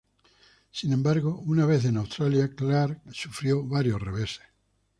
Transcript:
Sin embargo, una vez en Australia, Clark sufrió varios reveses.